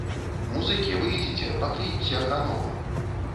Музыкі, выйдзіце, паклічце аканома!